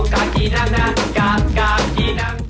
กากีนังน่ะกากกากกีนัง